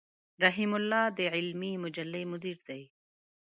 رحيم الله د علمي مجلې مدير دی.